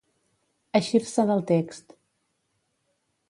Eixir-se del text.